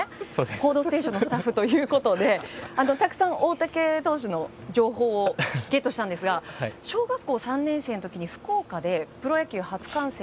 「報道ステーション」のスタッフということでたくさん大竹投手の情報をゲットしたんですが小学校３年生の時に福岡でプロ野球を初観戦。